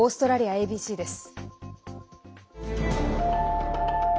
ＡＢＣです。